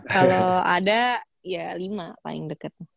kalau ada ya lima paling dekat